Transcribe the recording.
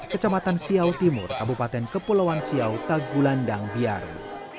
kecamatan siau timur kabupaten kepulauan siau tagulandang biaru